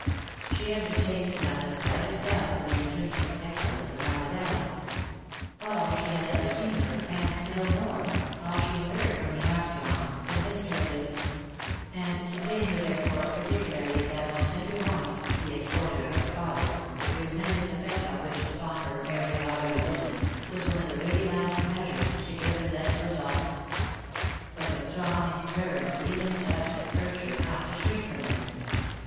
She entertained not the slightest doubt of the intrinsic excellence of Martha Dowling. All she had ever seen of her, and still more, all she had heard from the Armstrongs, convinced her of this ; and to pain her therefore, particularly in that most tender point, the exposure of 224 THE LIFE AND ADVENTURES her father, the tremendous effect of which upon her, Mary had already witnessed, was one of the very last measures she could have been led to adopt. But a strong and stern feeling of justice, urged her not to shrink from this.